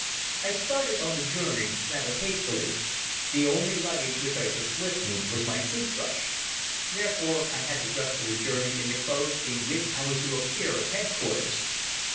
I started on the journey rather hastily. The only luggage which I took with me was my tooth brush. Therefore, I had to dress for the journey in the clothes in which I was to appear at Headquarters.